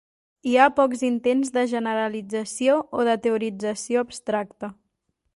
Hi ha pocs intents de generalització o de teorització abstracta.